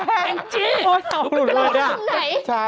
แองจี้